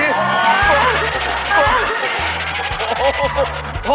โอ้โห